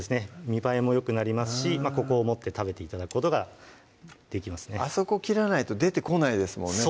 見栄えもよくなりますしここを持って食べて頂くことができますねあそこ切らないと出てこないですもんね